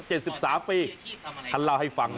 อ้าวอ้าวอ้าว